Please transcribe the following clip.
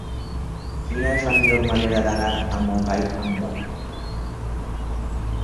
Quina és la millor manera d'anar a Montgai amb moto?